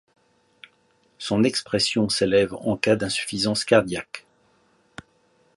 Son expression s'élève en cas d'insuffisance cardiaque.